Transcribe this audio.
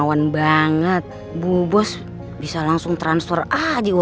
udah kamu jaga lagi kipa lanjut lagi olahraga